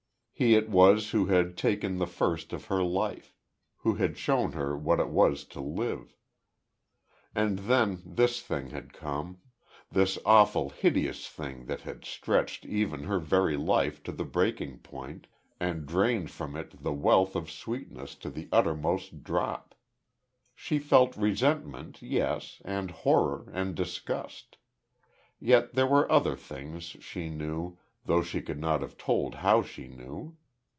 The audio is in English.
He it was who had taken the first of her life who had shown her what it was to live.... And then this thing had come this awful, hideous thing that had stretched even her very life to the breaking point, and drained from it the wealth of sweetness to the uttermost drop.... She felt resentment, yes, and horror, and disgust. Yet there were other things, she knew, though she could not have told how she knew.